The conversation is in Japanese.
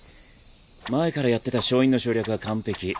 前からやってた掌印の省略は完璧。